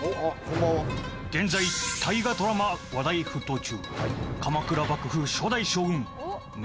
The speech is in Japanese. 現在大河ドラマ話題沸騰中鎌倉幕府初代将軍源頼朝である。